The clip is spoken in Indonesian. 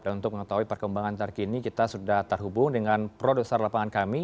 dan untuk mengetahui perkembangan terkini kita sudah terhubung dengan produser lapangan kami